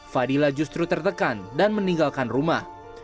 fadila justru tertekan dan meninggalkan rumah